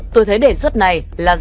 tôi thấy đề xuất này là đúng